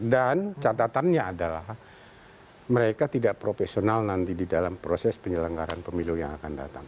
dan catatannya adalah mereka tidak profesional nanti di dalam proses penyelenggaran pemilu yang akan datang